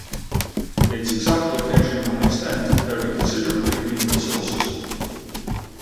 Its exact location and extent vary considerably in the sources.